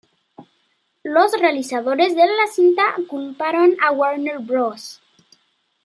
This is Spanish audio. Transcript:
Los realizadores de la cinta culparon a Warner Bros.